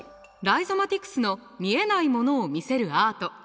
ライゾマティクスの見えないものを見せるアート。